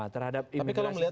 terhadap imigrasi itu bagaimana